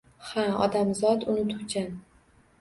Ha, odamzot unutuvchan.